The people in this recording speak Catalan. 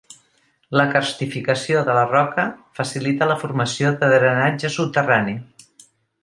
La carstificació de la roca facilita la formació de drenatge subterrani.